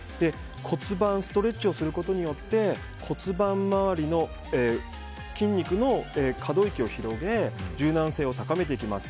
骨盤ストレッチをすることで骨盤回りの筋肉の可動域を広げ柔軟性を高めていきます。